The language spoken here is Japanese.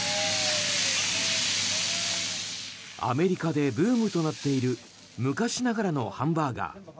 アメリカでブームとなっている昔ながらのハンバーガー。